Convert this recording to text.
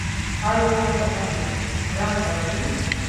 ایا ستاسو هڅې رنګ راوړي؟